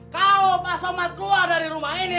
kalau pak somad keluar dari rumah ini